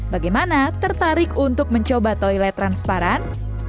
bagaimana tertarik untuk mencoba toilet transparan